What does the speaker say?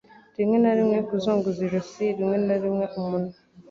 rimwe na rimwe kuzunguza ijosi rimwe na rimwe umunwa